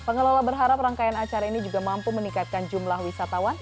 pengelola berharap rangkaian acara ini juga mampu meningkatkan jumlah wisatawan